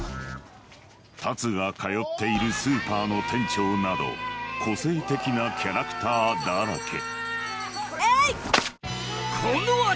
龍が通っているスーパーの店長など個性的なキャラクターだらけ